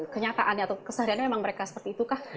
kenyataannya atau kesehariannya memang mereka seperti itu kah